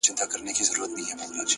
علم د پرمختګ محرک دی،